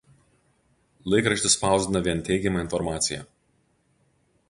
Laikraštis spausdina vien teigiamą informaciją.